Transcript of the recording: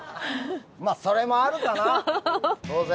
まあ、それもあるかな当然。